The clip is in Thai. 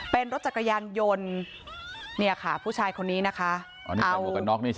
เป็นรถจักรยานยนต์ค่ะโหอันนี้พี่คุณคนนี้ค่ะ